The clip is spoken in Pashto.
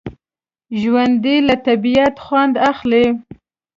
ژوندي له طبعیت خوند اخلي